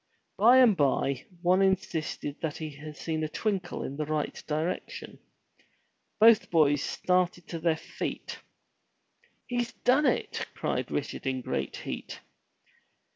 By and by one insisted that he had seen a twinkle in the right direction. Both boys started to their feet. "He's done it!*' cried Richard in great heat.